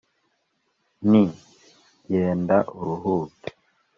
nti: genda uruhuke